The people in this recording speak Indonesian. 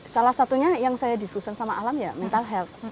salah satunya yang saya disusun sama alam ya mental health